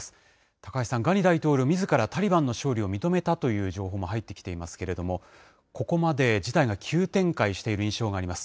高橋さん、ガニ大統領、みずからタリバンの勝利を認めたという情報も入ってきていますけれども、ここまで事態が急展開している印象があります。